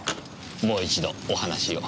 もう一度お話を。